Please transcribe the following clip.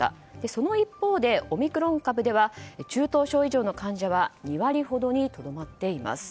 その一方で、オミクロン株では中等症以上の患者は２割ほどにとどまっています。